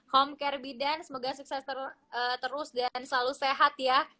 homecare bidan semoga sukses terus dan selalu sehat ya